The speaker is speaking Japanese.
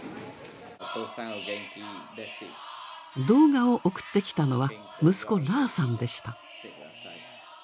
動画を送ってきたのは息子ラーさんでした。